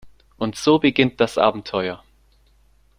Und so beginnt das Abenteuer.